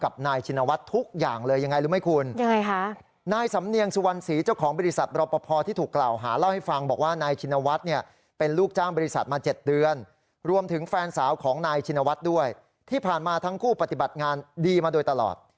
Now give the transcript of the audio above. บริษัทก็ปรับงานดีมาโดยตลอด